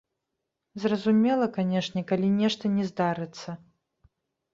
Зразумела, канешне, калі нешта не здарыцца.